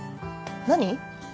何？